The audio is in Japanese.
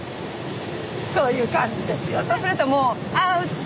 そういう感じですよね。